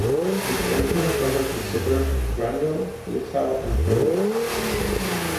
It originally covered the suburbs of Granville, Lithgow and Penrith.